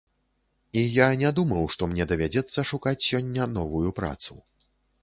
І я не думаў, што мне давядзецца шукаць сёння новую працу.